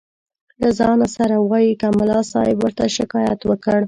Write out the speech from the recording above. له ځانه سره وایي که ملا صاحب ورته شکایت وکړ.